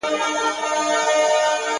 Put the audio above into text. د هجر داغ مي زخم ناصور دی -